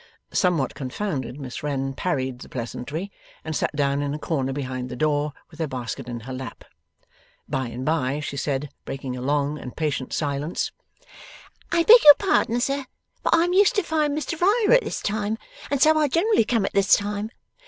Somewhat confounded, Miss Wren parried the pleasantry, and sat down in a corner behind the door, with her basket in her lap. By and by, she said, breaking a long and patient silence: 'I beg your pardon, sir, but I am used to find Mr Riah at this time, and so I generally come at this time.